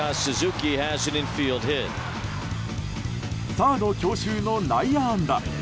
サード強襲の内野安打。